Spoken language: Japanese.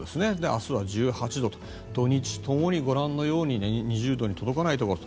明日は１８度と土日ともにご覧のように２０度に届かないところ。